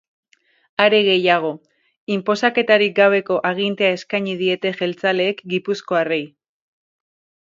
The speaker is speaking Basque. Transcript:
Are gehiago, inposaketarik gabeko agintea eskaini diete jeltzaleek gipuzkoarrei.